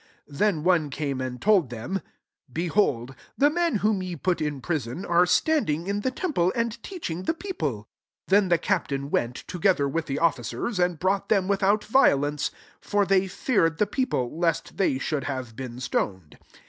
25 Then one came and told them " Behold, the men whom ye put in prison are standing in the temple, and teaching the peo ple." 26 Then the captain went, together with the officers, and brought them without violence: for they feared the people, lest they should have been stoned.